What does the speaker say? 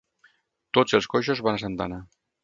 Tots els coixos van a Santa Anna.